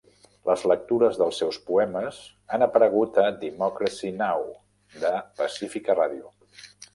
Les lectures dels seus poemes han aparegut a Democracy Now!, De Pacifica Radio.